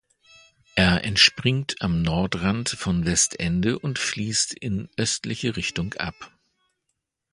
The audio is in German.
Er entspringt am Nordrand von Westende und fließt in östliche Richtung ab.